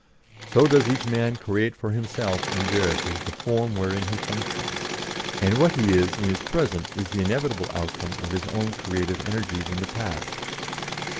So does each man create for himself in verity the form wherein he functions, and what he is in his present is the inevitable outcome of his own creative energies in his past.